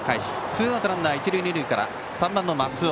ツーアウトランナー、一塁二塁で３番の松尾。